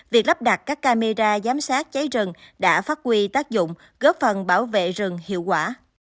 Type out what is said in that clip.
việc lắp đặt các camera giám sát cháy rừng đã phát quy tác dụng góp phần bảo vệ rừng hiệu quả